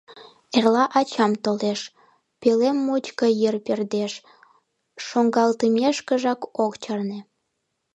Эрла ачам толеш... — пӧлем мучко йыр пӧрдеш, шуҥгалтмешкыжак ок чарне.